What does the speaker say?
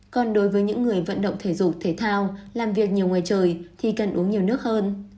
còn đối với những người vận động thể dục thể thao làm việc nhiều ngoài trời thì cần uống nhiều nước hơn